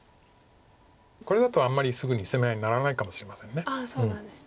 これだとあんまりすぐに攻め合いにならないかもしれません。